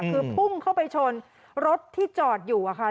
คือพุ่งเข้าไปชนรถที่จอดอยู่อะค่ะ